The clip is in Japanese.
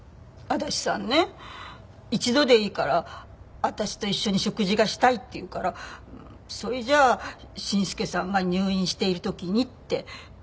足立さんね一度でいいから私と一緒に食事がしたいって言うからそれじゃあ伸介さんが入院している時にって。